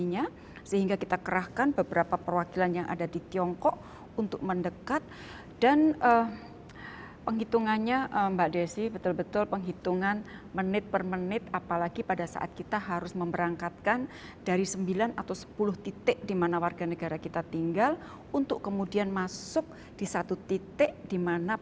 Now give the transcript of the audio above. nah kira kira cara cara untuk berdiplomasi di saat semua orang menginginkan hal yang sama